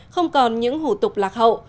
không còn những hủ tục lạc hậu